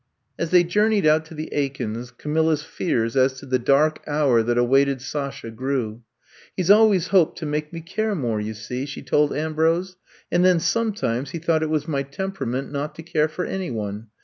As they journeyed out to the Aikens^ Camilla's fears as to the dark hour that awaited Saslia grew. He 's always hoped to make me care more, you see," she told Ambrose. And then, sometimes, he thought it was my tem perament, not to care for any one.